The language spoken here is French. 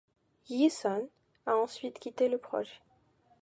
Yi Sun a ensuite quitté le projet.